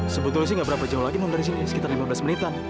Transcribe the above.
sebetulnya sih gak berapa jauh lagi non dari sini sekitar lima belas menitan